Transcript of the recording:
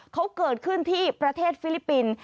เขาเกิดขึ้นที่ประเทศฟิลิปปินส์